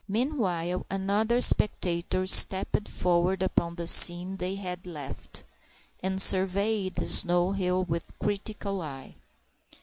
Meanwhile, another spectator stepped forward upon the scene they had left, and surveyed the snow hill with a critical eye.